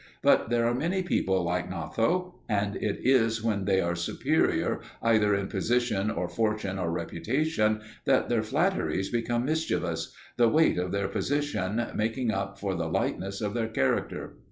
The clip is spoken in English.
But there are many people like Gnatho, and it is when they are superior either in position or fortune or reputation that their flatteries become mischievous, the weight of their position making up for the lightness of their character.